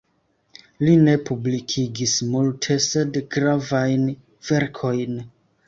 Li ne publikigis multe, sed gravajn verkojn.